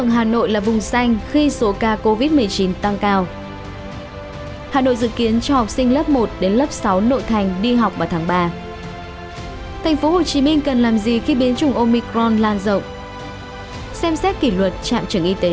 hãy đăng ký kênh để ủng hộ kênh của chúng mình nhé